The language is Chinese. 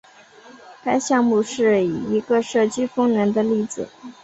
该项目是一个社区风能的例子。